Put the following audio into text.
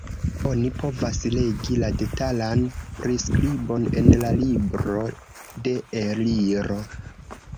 Oni povas legi la detalan priskribon en la libro de Eliro.